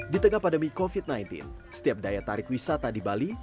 di tengah pandemi covid sembilan belas setiap daya tarik wisata di bali